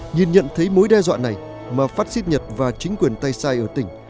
nhìn nhận thấy mối đe dọa này mà phát xít nhật và chính quyền tay sai ở tỉnh